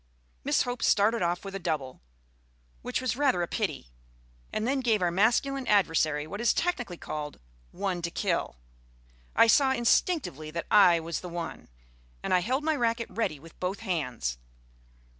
Miss Hope started off with a double, which was rather a pity, and then gave our masculine adversary what is technically called "one to kill." I saw instinctively that I was the one, and I held my racquet ready with both hands.